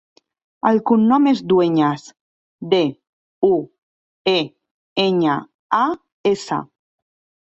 El cognom és Dueñas: de, u, e, enya, a, essa.